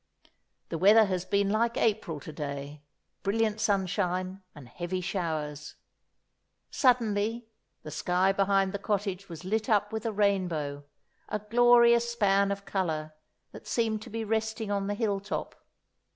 The weather has been like April to day, brilliant sunshine and heavy showers. Suddenly the sky behind the cottage was lit up with a rainbow—a glorious span of colour that seemed to be resting on the hill top.